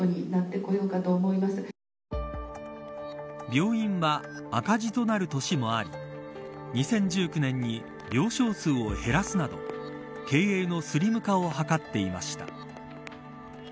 病院は赤字となる年もあり２０１９年に病床数を減らすなど経営のスリム化を図っていました。